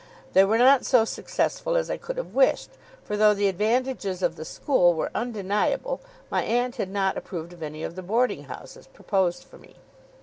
They were not so successful as I could have wished; for though the advantages of the school were undeniable, my aunt had not approved of any of the boarding houses proposed for me.